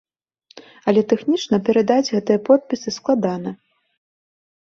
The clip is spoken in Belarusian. Але тэхнічна перадаць гэтыя подпісы складана.